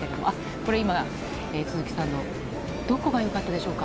これ今、都筑さんの、どこがよかったでしょうか。